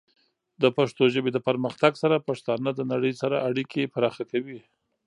د پښتو ژبې د پرمختګ سره، پښتانه د نړۍ سره اړیکې پراخه کوي.